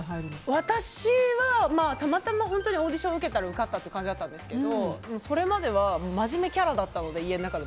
私はたまたまオーディションを受けたら受かった感じですがそれまではまじめキャラだったので。